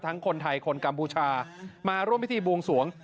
คนไทยคนกัมพูชามาร่วมพิธีบวงสวง